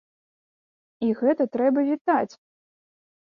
І гэта трэба вітаць!